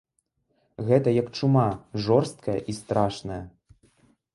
Гэта як чума, жорсткая і страшная.